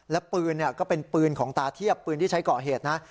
และปืนก็เป็นปืนของตาเทียบปืนที่ใช้ก่อเหตุนะ